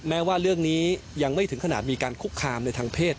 แม้ว่าเรื่องนี้ยังไม่ถึงขนาดมีการคุกคามในทางเพศ